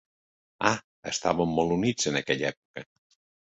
Ah, estàvem molt units en aquella època.